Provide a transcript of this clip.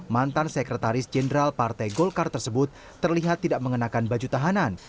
mantan sekretaris jenderal partai golkar tersebut terlihat tidak mengenakan baju tahanan